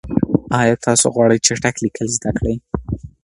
آیا تاسو غواړئ چټک لیکل زده کړئ؟